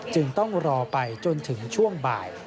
จึงต้องรอไปจนถึงช่วงบ่าย